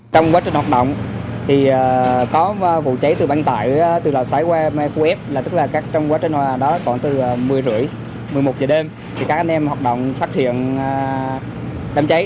trong quá trình hoạt động thì có vụ cháy từ băng tải từ lò xoáy qua mây khu ép tức là trong quá trình đó còn từ một mươi h ba mươi một mươi một h đêm thì các anh em hoạt động phát hiện đám cháy